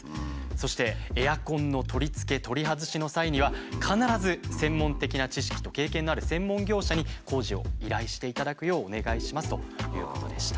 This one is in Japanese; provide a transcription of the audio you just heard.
そしてエアコンの取り付け取り外しの際には必ず専門的な知識と経験のある専門業者に工事を依頼していただくようお願いしますということでした。